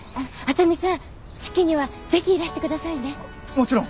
もちろん！